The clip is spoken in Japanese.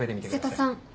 瀬田さん。